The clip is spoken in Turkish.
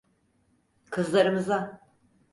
Kızlarımıza!